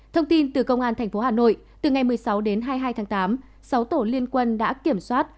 thông tin từ công an tp hà nội từ ngày một mươi sáu đến hai mươi hai tháng tám sáu tổ liên quân đã kiểm soát